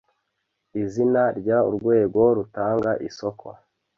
Izina ry urwego rutanga isoko